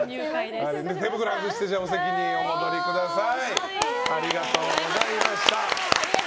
手袋外してお席にお戻りください。